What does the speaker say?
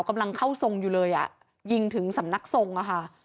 กำลังเข้าทรงอยู่เลยอ่ะยิงถึงสำนักทรงอ่ะค่ะ